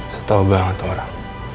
saya tahu banget orang